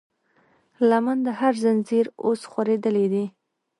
لمن د هر زنځير اوس خورېدلی دی